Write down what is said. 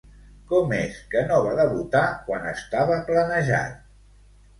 Com és que no va debutar quan estava planejat?